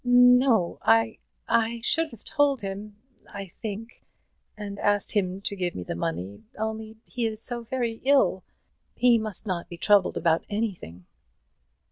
"No I I should have told him I think and asked him to give me the money, only he is so very ill; he must not be troubled about anything."